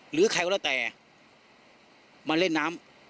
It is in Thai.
หรือใครก็แล้วแต่มาเล่นน้ำ